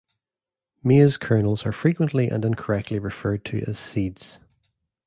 Maize kernels are frequently and incorrectly referred to as seeds.